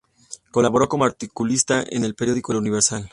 Colaboró como articulista en el periódico "El Universal".